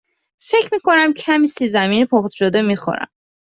فکر می کنم کمی سیب زمینی پخته شده می خورم.